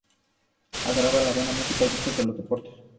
Adoraba la buena música, gustaba de los deportes.